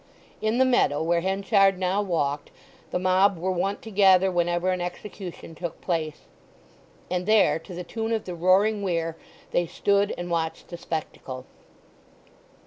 In the meadow where Henchard now walked the mob were wont to gather whenever an execution took place, and there to the tune of the roaring weir they stood and watched the spectacle.